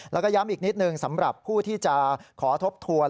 แล้วก็ย้ำอีกนิดนึงสำหรับผู้ที่จะขอทบทวน